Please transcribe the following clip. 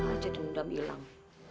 kau aja yang udah bilang